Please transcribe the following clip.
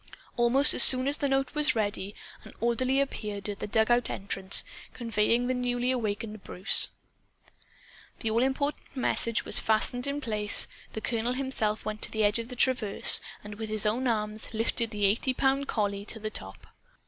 Almost as soon as the note was ready, an orderly appeared at the dugout entrance, convoying the newly awakened Bruce. The all important message was fastened in place. The colonel himself went to the edge of the traverse, and with his own arms lifted the eighty pound collie to the top.